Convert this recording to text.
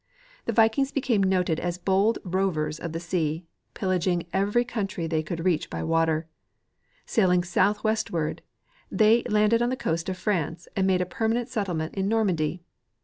The vik ings became noted as bold rovers of the sea, pillaging every country they could reach by water. Sailing southwestward, they landed on the coast of France and made a permanent settle ment in Normandy.